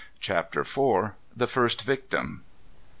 CHAPTER IV. THE FIRST VICTIM.